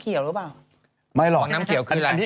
คืออะไร